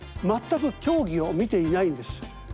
全く競技を見ていないんです。